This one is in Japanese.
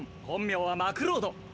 本名はマクロード。